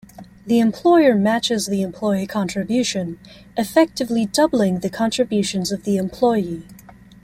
The employer matches the employee contribution, effectively doubling the contributions of the employee.